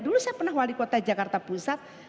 dulu saya pernah wali kota jakarta pusat